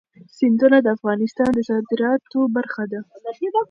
سیندونه د افغانستان د صادراتو برخه ده.